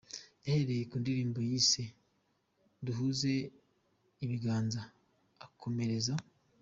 Yahereye ku ndirimbo yise ‘Duhuze ibiganza’, akomereza